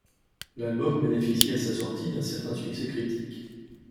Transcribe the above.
L'album bénéficie à sa sortie d'un certain succès critique.